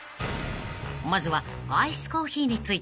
［まずはアイスコーヒーについて］